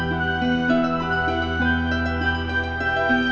febri ngobrol sama bapak ya